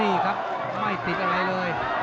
นี่ครับไม่ติดอะไรเลย